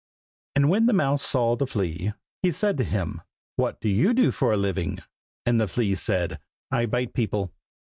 And when the mouse saw the flea, he said to him, "what do you do for a living?" and the flea said "I bite people."